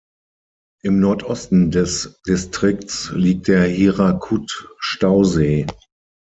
Im Nordosten des Distrikts liegt der Hirakud-Stausee.